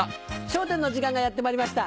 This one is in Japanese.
『笑点』の時間がやってまいりました。